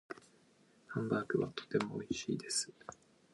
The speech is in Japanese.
ハンバーグはとても美味しいです。